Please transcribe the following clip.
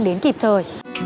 đến kịp thời